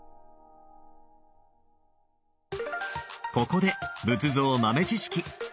ここで仏像豆知識。